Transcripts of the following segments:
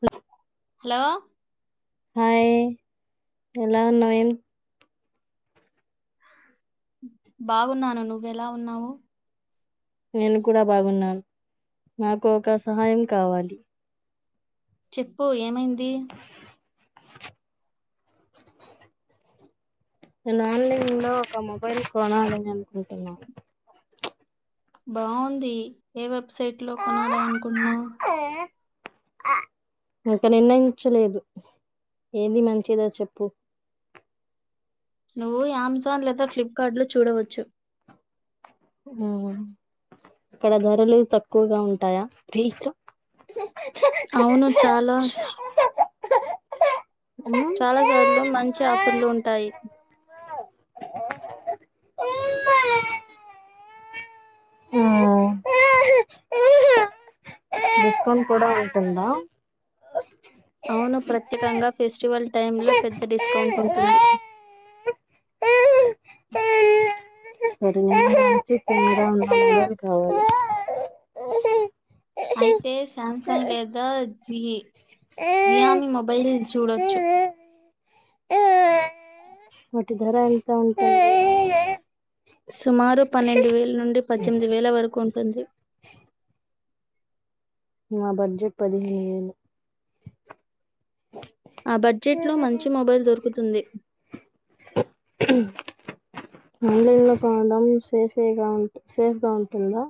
హ hello hi ఎలా ఉన్నారు బాగున్నాను నువ్వెలా ఉన్నావు నేను కూడా బాగున్నాను నాకు ఒక సహాయం కావాలి చెప్పు ఏమైంది నేను ఆన్లైన్ లో ఒక మొబైల్ కొనాలని అనుకుంటున్నాను బాగుంది ఏ వెబ్సైట్ లో కొనాలని అనుకుంటున్నావు ఆ ఇంకా నిర్ణయించలేదు ఏది మంచిదో చెప్పు నువ్వు అమెజాన్ లేదా ఫ్లిప్కార్ట్లో చూడవచ్చు ఇక్కడ ధరలు తక్కువగా ఉంటాయా అవును చాలా చాలా సార్లు మంచి ఆఫర్లు ఉంటాయి ఆ డిస్కౌంట్ కూడా ఉంటుందా అవును ప్రత్యేకంగా ఫెస్టివల్ టైమ్లో పెద్ద డిస్కౌంట్ ఉంటుంది [unintelligible] అయితే సామ్సంగ్ లేదా జి జియామి మొబైల్ చూడొచ్చు వాటి ధర ఎంత ఉంటాయి సుమారు పన్నెండు వేల నుండి పద్దెనిమిది వేల వరకు ఉంటుంది నా బడ్జెట్ పదిహేను వేలు ఆ బడ్జెట్ లో మంచి మొబైల్ దొరుకుతుంది ఆన్లైన్లో కొనడం సేఫేగా సేఫ్గా ఉంటుందా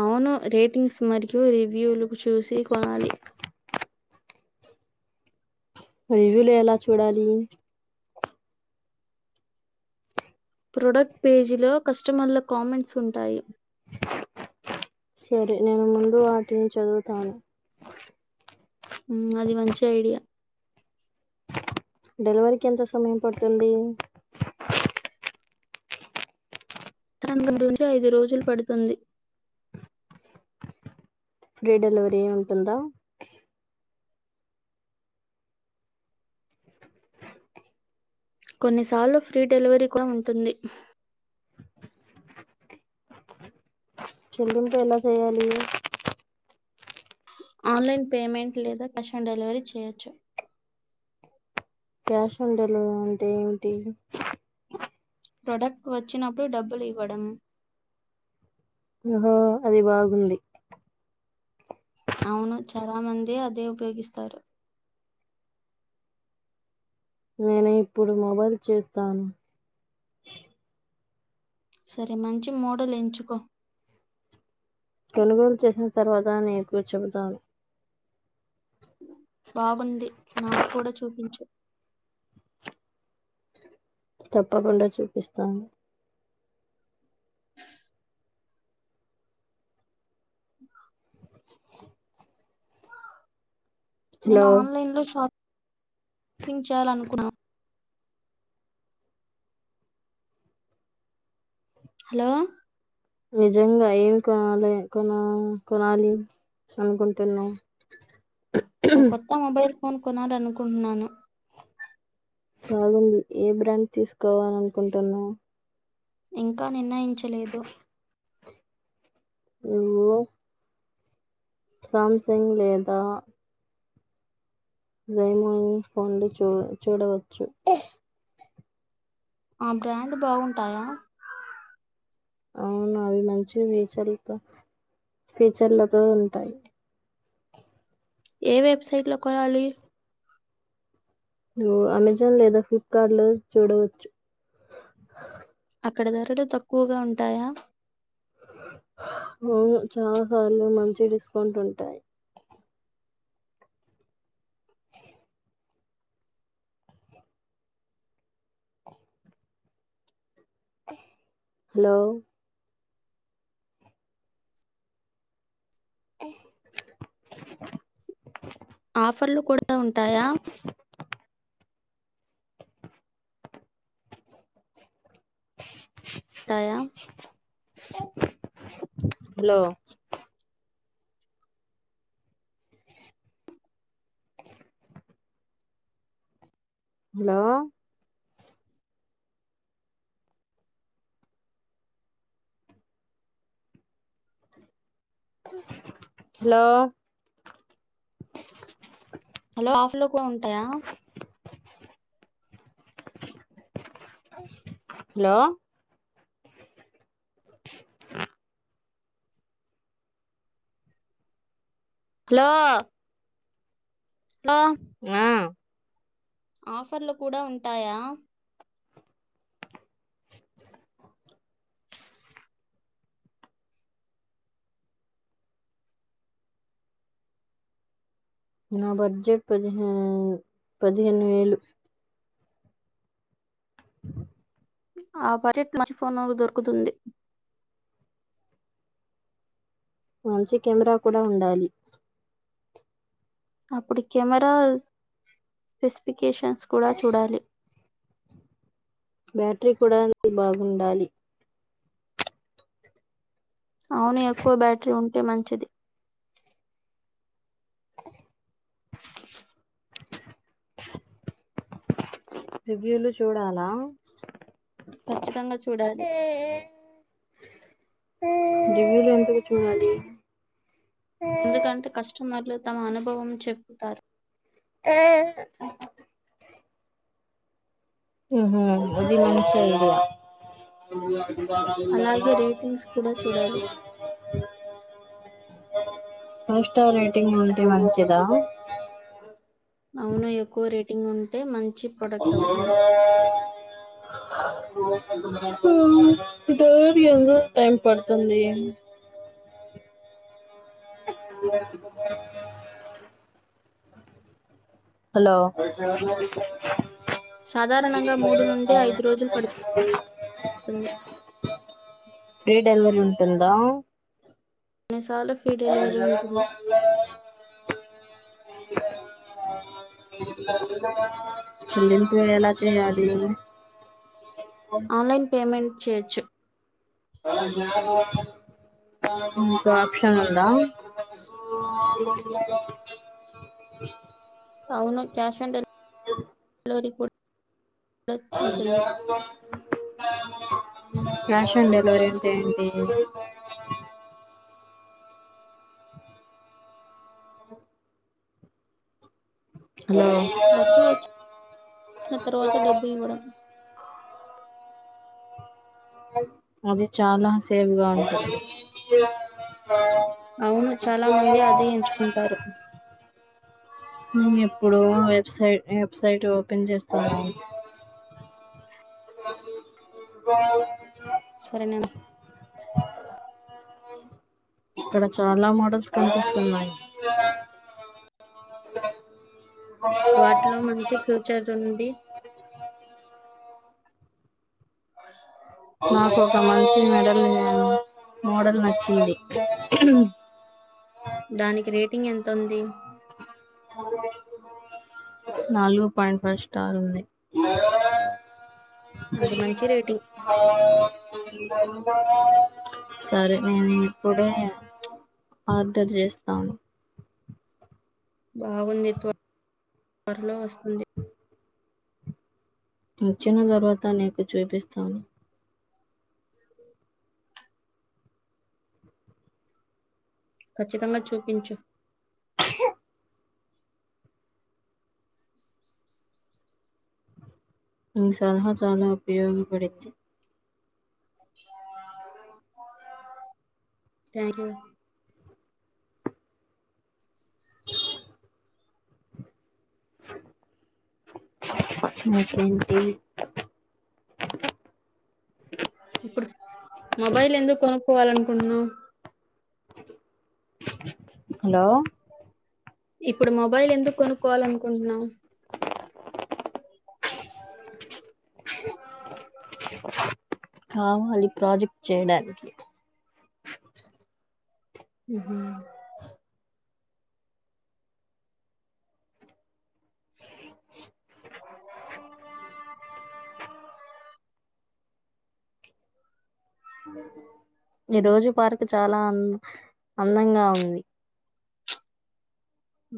అవును రేటింగ్స్ మరియు రివ్యూలు చూసి కొనాలి రివ్యూలు ఎలా చూడాలి ప్రొడక్ట్ పేజీలో కస్టమర్ల కామెంట్స్ ఉంటాయి సరే నేను ముందు వాటిని చదువుతాను అది మంచి ఐడియా డెలివరీకి ఎంత సమయం పడుతుంది [unintelligible] నుంచి ఐదు రోజులు పడుతుంది ఫ్రీ డెలివరీ ఉంటుందా కొన్నిసార్లు ఫ్రీ డెలివరీ కూడా ఉంటుంది చిల్డ్రన్ తో ఎలా చదవాలి ఆన్లైన్ పేమెంట్ లేదా క్యాష్ ఆన్ డెలివరీ చేయొచ్చు క్యాష్ ఆన్ డెలివరీ ఆ అంటే ఏంటి ప్రొడక్ట్ వచ్చినప్పుడు డబ్బులు ఇవ్వడం ఆహా అది బాగుంది అవును చాలా మంది అదే ఉపయోగిస్తారు నేను ఇప్పుడు మొబైల్ చేస్తాను సరే మంచి మోడల్ ఎంచుకో కొనుగోలు చేసిన తర్వాత నీకు చెబుతాను బాగుంది. నాకు కూడా చూపించు తప్పకుండా చూపిస్తాను నేను హలో ఆన్లైన్లో షా [inaudible] పింగ్ చేయాలనుకున్నా హలో నిజంగా ఏం కొనాలె కొనా కొనాలి అనుకుంటున్నావ్ ఓ కొత్త మొబైల్ ఫోన్ కొనాలనుకుంటున్నాను బాగుంది ఏ బ్రాండ్ తీసుకోవాలని అనుకుంటున్నావ్ ఇంకా నిర్ణయించలేదు ఊ ఓ సామసంగ్ లేదా జేమోయి ఫోన్లు చూడ్ చూడవచ్చు ఆ బ్రాండ్ బాగుంటాయా అవును అవి మంచి ఫీచర్లతో ఫీచర్లతో ఉంటాయి ఏ వెబ్సైట్ లో కొనాలి నువ్ అమెజాన్ లేదా ఫ్లిప్కార్ట్ లో చూడవచ్చు అక్కడ ధరలు తక్కువగా ఉంటాయా హా అవును చా హాలు మంచి డిస్కౌంట్ ఉంటాయి హలో ఆఫర్లు కూడా ఉంటాయా? ఉంటాయా? హలో హలో హలో షాప్ లో కూ ఉంటయా హలో హలో హలో ఆ ఆఫర్లు కూడా ఉంటాయా నా బడ్జెట్ పదిహే పదిహేను వేలు ఆ బజెట్ ప్లస్ ఫోనూ దొరుకుతుంది మంచి కెమెరా కూడా ఉండాలి అప్పుడు కెమెరా స్పెసిఫికేషన్స్ కూడా చూడాలి బ్యాటరీ కూడా [unintelligible] బాగుండాలి అవును ఎక్కువ బ్యాటరీ ఉంటే మంచిది రివ్యూలు చూడాలా ఖచ్చితంగా చూడాలి రివ్యూలు ఎందుకు చూడాలి ఎందుకంటే కస్టమర్లు తమ అనుభవం చెప్తారు ఆ ఉహూ ఇది మంచి ఐడియా ఎ అలాగే రేటింగ్స్ కూడా చూడాలి. ఫైవ్ స్టార్ రేటింగ్ ఉంటే మంచిదా అవును ఎక్కువ రేటింగ్ ఉంటే మంచి ప్రోడక్ట్ అవుతుంది రోజు ఎంత టైం పడుతుంది నమాజు సౌండ్ హలో నమాజ్ సాధారణంగా నుండి సౌండ్ రోజులు పడుతుంది. ఫ్రీ డెలివరీ ఉంటుందా కొన్నిసార్లు ఫ్రీ డెలివరీ అజా ఉంటుంది. మల్ల చెల్లింపు ఎలా చేయాలి ఆన్లైన్ పేమెంట్ చేయొచ్చు ఆప్షన్ ఉందా ఆ ఆరు మకులక్క అవును క్యాష్ డెలివరీ ఉ దానికి కొట్టు అల్లా అక్బర్ క్యాష్ ఆన్ డెలివరీ అంటే ఏంటి హలో వస్తువు వచ్చిన తర్వాత డబ్బు ఇవ్వడం అది చాలా సేఫ్ గా ఉంటాయి అవును చాలా మంది అదే ఎంచుకుంటారు ఎప్పుడు వెబ్సైట్ వెబ్సైట్ ఓపెన్ చేస్తున్నాను అల్లాకు అక్బర్ సరే మేం ఇక్కడ చాలా మోడల్స్ కనిపిస్తున్నాయి అల్లాకు అక్బర్ వాటిలో మంచి ఫ్యూచర్ ఉంది ఆ నాకు ఒక మంచి మెడల్ ఇవ్వండి మోడల్ నచ్చిది దానికి రేటింగ్ ఎంతుంది అల్లాకు అక్బర్ నాలుగు పాయింట్ ఫైవ్ స్టార్ ఉంది అది మంచి రేటింగ్. అల్లాకు అక్బర్ సరే నేను ఇప్పుడే ఆర్దర్ చేస్తాను బాగుంది త్వరలో వస్తుంది వచ్చిన తర్వాత నీకు చూపిస్తాను ఖచ్చితంగా చూపించు ఈ సలహా చాలా ఉపయోగపడింది సారం థ్యాంక్ యూ అ డోర్ సౌండ్ మొత్తానికి ఇప్పుడు మొబైల్ ఎందుకు కొనుక్కోవాల అనుకుంటున్నావు హలో ఇప్పుడు మొబైల్ ఎందుకు కొనుక్కోవాల అనుకుంటున్నావు దగ్గు సౌండ్ కావాలి ప్రాజెక్ట్ చేయడానికి ఉ హు ఈ రోజు పార్క్ చాలా అంద్ అందంగా ఉంది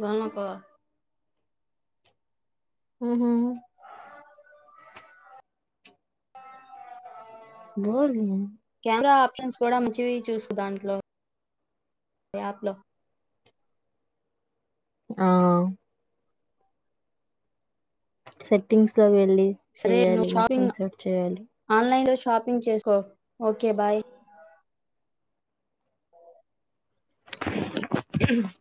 బనబ ఉహు [unintelligible] బోర్ ఆ ఆప్షన్స్ కూడా మంచివి చూసు దాంట్లో యాప్ లో ఆ సెట్టింగ్స్ లో వెళ్ళి సరే ను చేయాలి మొత్తం షాపింగ్ సెట్ చేయాలి. ఆన్లైన్ లో షాపింగ్ చేసుకో ఓకే బాయ్ [unintelligible]